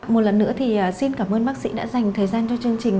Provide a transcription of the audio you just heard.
một lần nữa thì xin cảm ơn bác sĩ đã dành thời gian cho chương trình